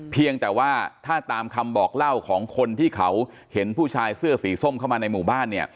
เพียงแต่ว่าถ้าตามคำบอกเล่าของคนที่เขาเห็นผู้ชายเสื้อสีส้มเข้ามาในหมู่บ้านเนี่ย